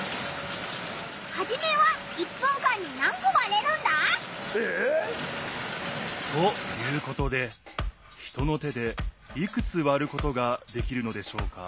ハジメは１分間に何こ割れるんだ？え！？ということで人の手でいくつ割ることができるのでしょうか？